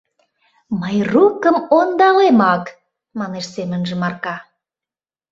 «Майрукым ондалемак», — манеш семынже Марка.